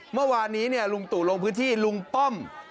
เมื่อวานนี้ลุงตู่ลงพื้นที่ลุงป้อม